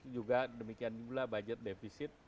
juga demikian pula budget defisit